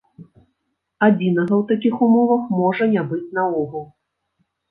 Адзінага ў такіх умовах можа не быць наогул.